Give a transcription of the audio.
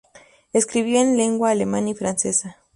Escribió en lengua alemana y francesa.